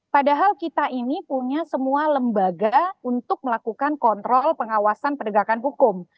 padahal kita ini punya semua lembaga untuk melakukan kontrol pengawasan penegakan hukum